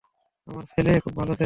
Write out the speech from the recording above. আমার ছেলে খুব ভালো ছেলে।